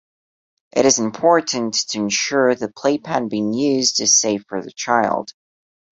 It is important to ensure the playpen being used is safe for the child.